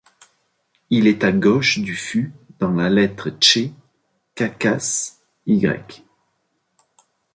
Il est à gauche du fût dans la lettre tché kahkasse Ӌ.